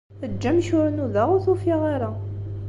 Eǧǧ amek ur nudaɣ, ur t-ufiɣ ara.